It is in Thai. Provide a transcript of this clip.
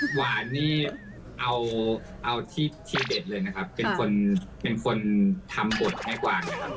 หวานนี่เอาที่เด็ดเลยนะครับเป็นคนเป็นคนทำบดไม้กวางนะครับ